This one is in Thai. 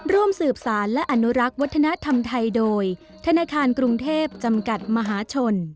ร่วมสืบสารและอนุรักษ์วัฒนธรรมไทยโดยธนาคารกรุงเทพจำกัดมหาชน